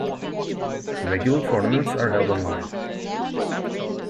Regular tournaments are held online.